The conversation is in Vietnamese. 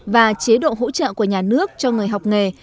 và chế độ hỗ trợ của nhà nước cho người học nghề